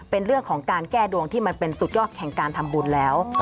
เป็นเรื่องของการแก้ดวงที่มันเป็นสุดยอดแห่งการทำบุญแล้ว